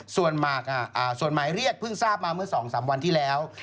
ส่วนหมายเรียกเพิ่งทราบมาเมื่อ๒๓วันที่แล้ว